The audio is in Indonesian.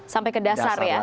sampai ke dasar laut